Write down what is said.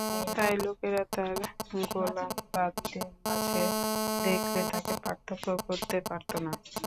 তাই লোকেরা তাঁর গোলাম-বাদীদের মাঝে দেখলে তাঁকে পার্থক্য করতে পারত না।